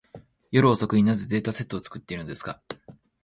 夜遅くに、なぜデータセットを作っているのですか。